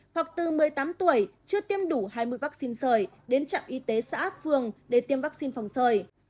hoặc từ một mươi tám tuổi chưa tiêm đủ hai mươi vaccine sời đến trạm y tế xã phương để tiêm vaccine phòng sời